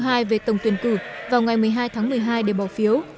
đề xuất thứ hai về tầng tuyển cử vào ngày một mươi hai tháng một mươi hai để bỏ phiếu